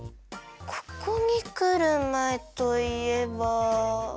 ここにくるまえといえば。